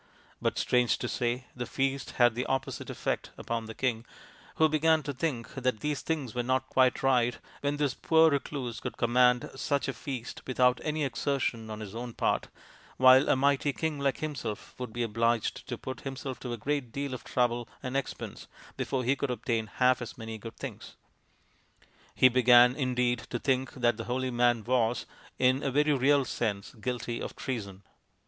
But, strange to say, the feast had the opposite effect upon the king, who began to think that things were not quite right when this poor recluse could com mand such a feast without any exertion on his own part, while a mighty king like himself would be obliged to put himself to a great deal of trouble and expense before he could obtain half as many good things. He began, indeed, to think that the holy man was, in a very real sense, guilty of treason.